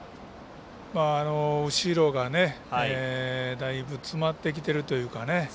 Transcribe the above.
後ろがだいぶ詰まってきているというかね。